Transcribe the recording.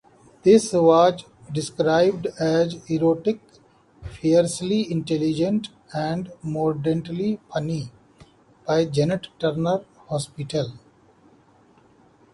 This was described as 'Erotic, fiercely intelligent and mordantly funny,' by Janette Turner Hospital.